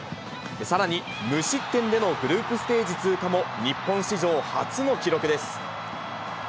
さらに、無失点でのグループステージ通過も日本史上初の記録です。